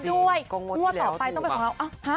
จริงก็งดที่แล้วเขาถูกป่ะ